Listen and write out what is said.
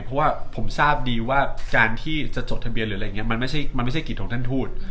เพราะว่าผมทราบดีว่าการที่จะจดทะเบียนหรืออะไรอย่างนี้มันไม่ใช่กิจของท่านทูต